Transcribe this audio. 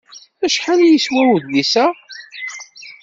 Acḥal i yeswa udlis-a?